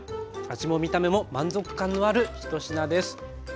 味も見た目も満足感のある一品です。